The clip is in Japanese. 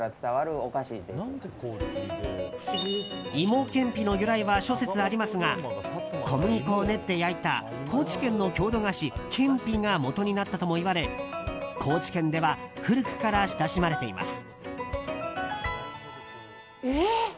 芋けんぴの由来は諸説ありますが小麦粉を練って焼いた高知県の郷土菓子、けんぴがもとになったともいわれ高知県では古くから親しまれています。